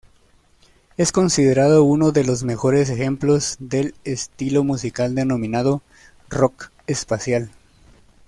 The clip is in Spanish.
Es considerado uno de los mejores ejemplos del estilo musical denominado rock espacial.